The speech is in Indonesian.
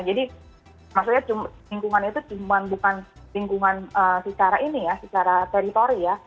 jadi maksudnya lingkungannya itu cuma bukan lingkungan secara ini ya secara teritori ya